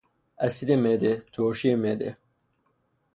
اسید معده، ترشی معده